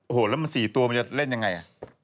โอ้โหแล้วมัน๔ตัวมันจะเล่นยังไง